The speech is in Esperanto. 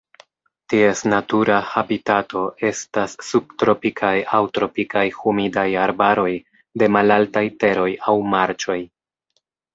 Ties natura habitato estas subtropikaj aŭ tropikaj humidaj arbaroj de malaltaj teroj aŭ marĉoj.